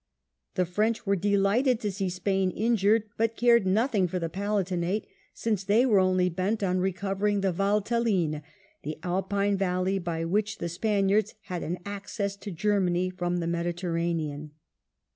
The French were delighted to see Spain injured, but cared nothing for the Palatinate, since they were only bent on recovering the Valtelline, the Alpine valley by which the Spaniards had an access to Germany from the Mediter ranean.